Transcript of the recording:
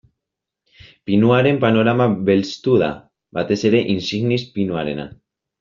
Pinuaren panorama belztu da, batez ere insignis pinuarena.